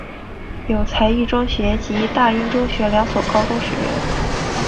有育才中学及大英中学两所高中学院。